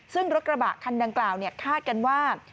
ซึ่งรถกระบะคันดังกล่าวคาดกันว่า